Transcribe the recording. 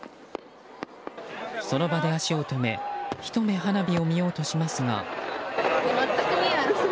その場で足を止めひと目、花火を見ようとしますが。